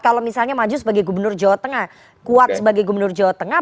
kalau misalnya maju sebagai gubernur jawa tengah kuat sebagai gubernur jawa tengah